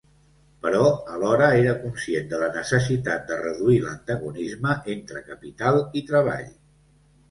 Però alhora era conscient de la necessitat de reduir l'antagonisme entre capital i treball.